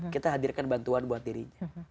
kita hadirkan bantuan buat dirinya